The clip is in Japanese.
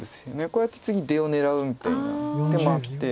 こうやって次出を狙うみたいな手もあって。